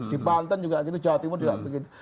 di banten juga gitu jawa timur juga begitu